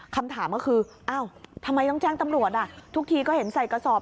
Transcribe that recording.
คำถามก็คืออ้าวทำไมต้องแจ้งตำรวจทุกทีก็เห็นใส่กระสอบ